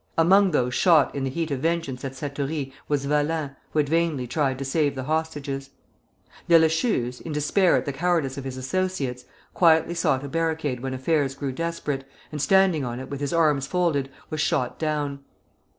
Among those shot in the heat of vengeance at Satory was Valin, who had vainly tried to save the hostages. Deleschuze, in despair at the cowardice of his associates, quietly sought a barricade when affairs grew desperate, and standing on it with his arms folded, was shot down.